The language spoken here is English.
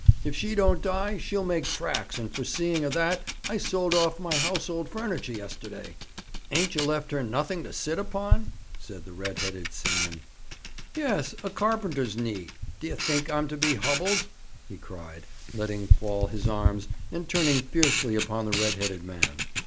'If she don't die, she'll make tracks, and, foreseeing of that, I sold off my household furniture yesterday.' 'Ain't ye left her nothing to sit upon?' said the red headed seaman. 'Yes; a carpenter's knee. D'ye think I'm to be hubbled?' he cried, letting fall his arms, and turning fiercely upon the red headed man.